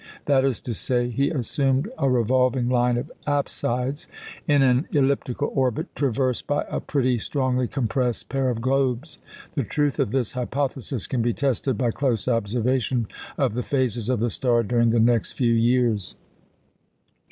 That is to say, he assumed a revolving line of apsides in an elliptical orbit traversed by a pretty strongly compressed pair of globes. The truth of this hypothesis can be tested by close observation of the phases of the star during the next few years.